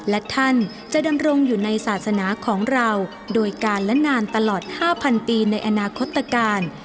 และท่านจะดำรงอยู่ในศาสนาของเราโดยการและนานตลอด๕๐๐ปีในอนาคตการ